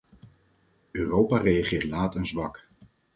Europa reageert laat en zwak.